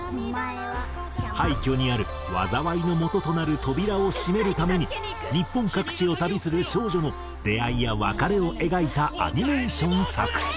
廃虚にある災いの元となる扉を閉める為に日本各地を旅する少女の出会いや別れを描いたアニメーション作品。